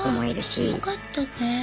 あよかったね。